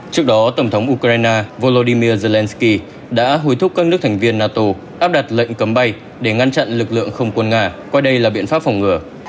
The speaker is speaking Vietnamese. trước đó tổng thống ukraine volodymyr zelensky đã hối thúc các nước thành viên nato áp đặt lệnh cấm bay để ngăn chặn lực lượng không quân nga coi đây là biện pháp phòng ngừa